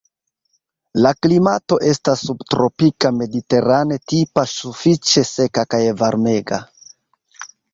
La klimato estas subtropika mediterane-tipa, sufiĉe seka kaj varmega.